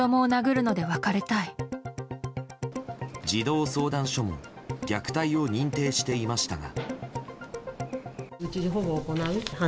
児童相談所も虐待を認定していましたが。